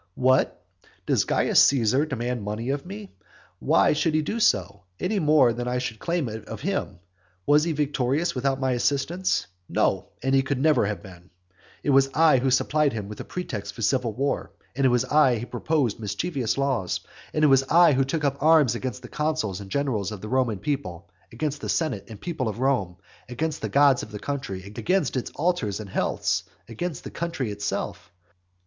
"What, does Caius Caesar demand money of me? why should he do so, any more than I should claim it of him? Was he victorious without my assistance? No, and he never could have been. It was I who supplied him with a pretext for civil war, it was I who proposed mischievous laws, it was I who took up arms against the consuls and generals of the Roman people, against the senate and people of Rome, against the gods of the country, against its altars and healths, against the country itself.